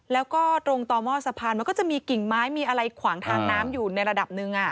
แล้วก็ตรงต่อหม้อสะพานมันก็จะมีกิ่งไม้มีอะไรขวางทางน้ำอยู่ในระดับหนึ่ง